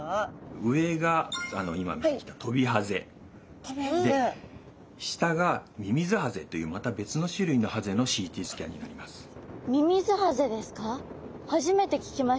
上が今見てきたトビハゼ下がミミズハゼというまた別の種類のハゼのＣＴスキャンになります。